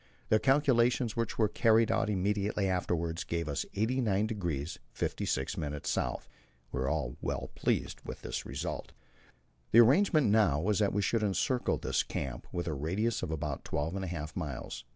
The calculations which were carried out immediately afterwards gave us 89° 56' S. We were all well pleased with this result. The arrangement now was that we should encircle this camp with a radius of about twelve and a half miles.